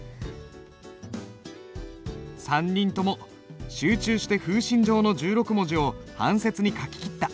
３人とも集中して「風信帖」の１６文字を半切に書ききった。